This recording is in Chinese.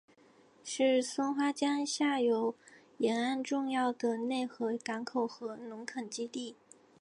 是松花江下游沿岸重要的内河港口和农垦基地。